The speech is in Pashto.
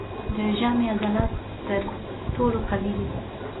د ژامې عضلات تر ټولو قوي دي.